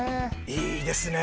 いいですね！